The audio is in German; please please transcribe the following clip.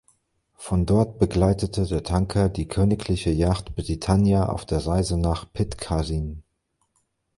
Von dort begleitete der Tanker die Königliche Yacht "Britannia" auf der Reise nach Pitcairn.